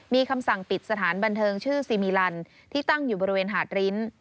มีคำสั่งปิดสถานบันเทิงชื่อซีมิลันที่ตั้งอยู่บริเวณหาดริ้น